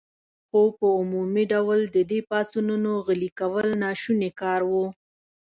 خو په عمومي ډول د دې پاڅونونو غلي کول ناشوني کار و.